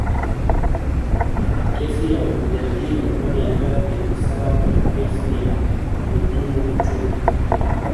kesi ya ujangili kwenye hifadhi ni sawa na kesi ya uhujumu uchumi